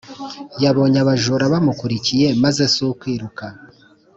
yabonye abajura bamukurikiye maze si ukwiruka